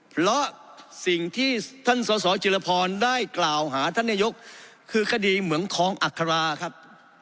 เพราะสิ่งที่ท่านสสจิรพรได้กล่าวหาท่านนายกคือคดีเหมืองทองอัคราครับ